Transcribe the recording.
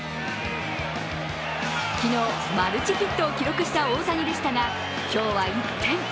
昨日、マルチヒットを記録した大谷でしたが、今日は一転。